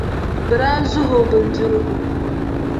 Bɛ daa zuhi o bindirigu.